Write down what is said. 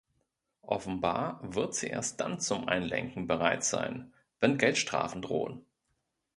Offenbar wird sie erst dann zum Einlenken bereit sein, wenn Geldstrafen drohen.